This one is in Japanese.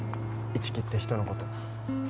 一木って人のこと。